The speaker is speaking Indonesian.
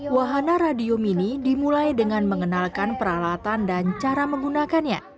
wahana radio mini dimulai dengan mengenalkan peralatan dan cara menggunakannya